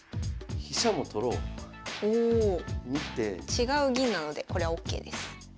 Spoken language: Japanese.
違う銀なのでこれはＯＫです。